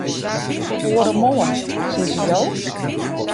Oaremoarn, sizze jo?